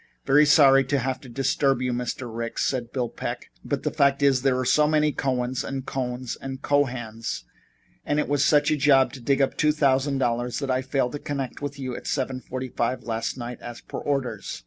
"Very sorry to have to disturb you, Mr. Ricks," said Bill Peck, "but the fact is there were so many Cohens and Cohns and Cohans, and it was such a job to dig up two thousand dollars, that I failed to connect with you at seven forty five last night, as per orders.